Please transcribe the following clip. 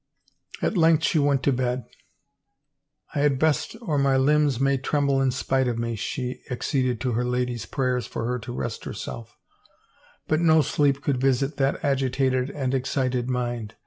At length she went to bed. " I had best or my limbs may tremble in spite of me,*' she acceded to her ladies' prayers for her to rest herself, but no sleep could visit that agitated and excited mind.